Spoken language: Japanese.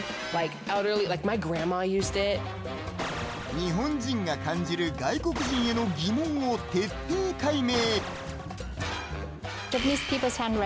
日本人が感じる外国人への疑問を徹底解明。